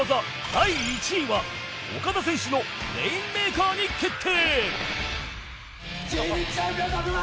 第１位はオカダ選手のレインメーカーに決定